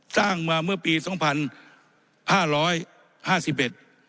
สร้างมาเมื่อปีสองพันห้าร้อยห้าสิบเอ็ด